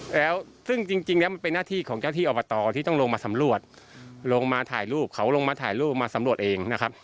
แล้วซึ่งจริงแล้วมันเป็นหน้าที่ของเจ้าที่อบตที่ต้องลงมาสำรวจลงมาถ่ายรูปเขาลงมาถ่ายรูปมาสำรวจเองนะครับ